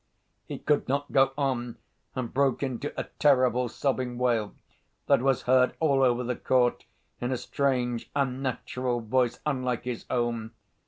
He could not go on, and broke into a terrible sobbing wail that was heard all over the court in a strange, unnatural voice unlike his own.